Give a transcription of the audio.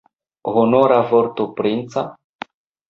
Honora vorto princa?